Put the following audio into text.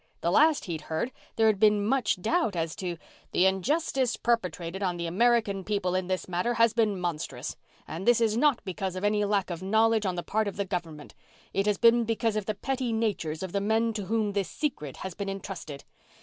The last he'd heard there had been much doubt as to "... The injustice perpetrated on the American people in this matter has been monstrous. And this is not because of any lack of knowledge on the part of the government. It has been because of the petty natures of the men to whom this secret has been entrusted.